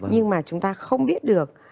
nhưng mà chúng ta không biết được